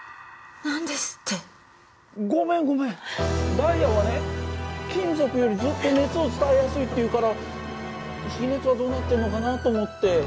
ダイヤはね金属よりずっと熱を伝えやすいっていうから比熱はどうなってるのかなと思って。